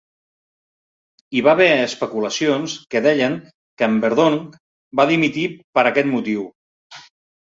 Hi va haver especulacions que deien que en Verdonk va dimitir per aquest motiu.